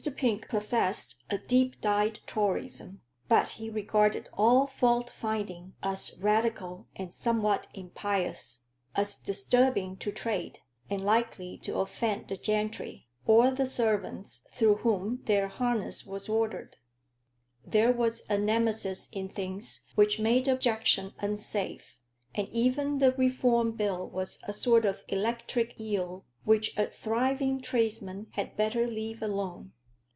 Pink professed a deep dyed Toryism; but he regarded all fault finding as Radical and somewhat impious, as disturbing to trade, and likely to offend the gentry, or the servants through whom their harness was ordered: there was a Nemesis in things which made objection unsafe, and even the Reform Bill was a sort of electric eel which a thriving tradesman had better leave alone.